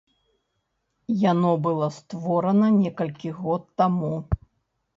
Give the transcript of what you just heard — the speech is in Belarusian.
Яно было створана некалькі год таму.